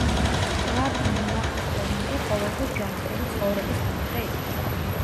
კლარკ მაკ-კონაჰი ყოველთვის ჯანმრთელი ცხოვრების მომხრე იყო.